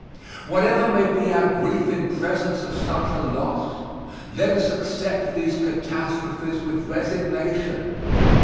Whatever may be our grief in presence of such a loss, let us accept these catastrophes with resignation!